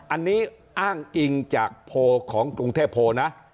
อันนี้อ้างอิงจากโพลของกรุงเทพโพลนะ